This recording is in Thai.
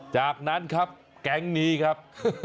จากนั้นครับแก๊งนี้ครับ